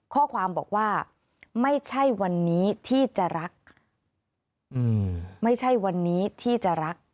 ข้อความบอกว่าไม่ใช่วันนี้ที่จะรัก